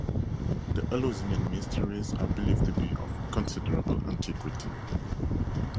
The Eleusinian Mysteries are believed to be of considerable antiquity.